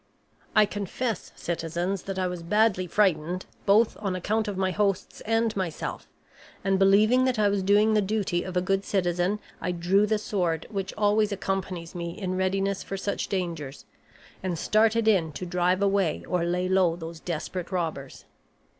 "I confess, citizens, that I was badly frightened, both on account of my hosts and myself; and believing that I was doing the duty of a good citizen, I drew the sword which always accompanies me in readiness for such dangers, and started in to drive away or lay low those desperate robbers.